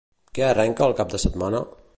Què arrenca el cap de setmana?